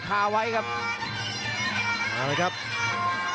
สตานท์ภพล็อกนายเกียรติป้องยุทเทียร์